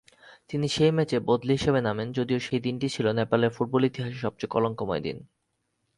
তিনি সেই ম্যাচে বদলি হিসেবে নামেন, যদিও সেই দিনটি ছিল নেপালের ফুটবল ইতিহাসে সবচেয়ে কলংকময় দিন।